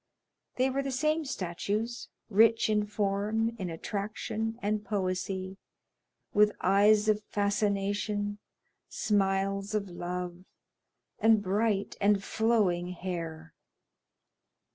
They were the same statues, rich in form, in attraction, and poesy, with eyes of fascination, smiles of love, and bright and flowing hair.